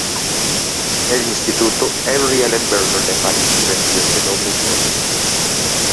El instituto Henri Ellenberger de París recibió este nombre en su honor.